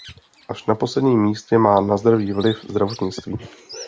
Až na posledním místě má na zdraví vliv zdravotnictví.